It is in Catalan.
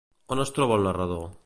On es troba el narrador?